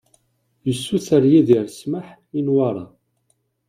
Yessuter Yidir ssmaḥ i Newwara.